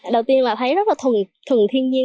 đầu tiên là thấy rất là thường thiên nhiên